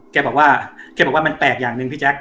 แกบอกว่าแกบอกว่ามันแปลกอย่างหนึ่งพี่แจ๊ค